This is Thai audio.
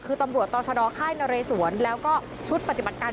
คือตำรวจต่อชะดอค่ายนเรสวนแล้วก็ชุดปฏิบัติการ